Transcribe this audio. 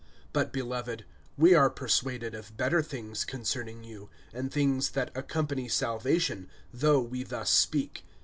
(9)But, beloved, we are persuaded of better things concerning you, and things that accompany salvation, though we thus speak.